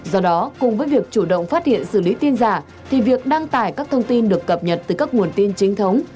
do đó cùng với việc chủ động phát hiện xử lý tin giả thì việc đăng tải các thông tin được cập nhật từ các nguồn tin chính thống